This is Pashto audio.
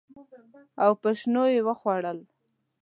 او په نشو یې وخوړل